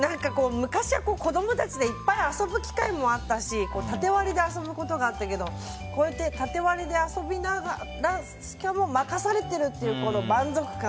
昔は、子供たちでいっぱい遊ぶ機会もあったし縦割りで遊ぶことがあったけどこうやって、縦割りで遊びながらしかも任されてるっていう満足感。